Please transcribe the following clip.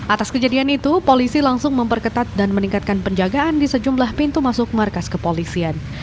atas kejadian itu polisi langsung memperketat dan meningkatkan penjagaan di sejumlah pintu masuk markas kepolisian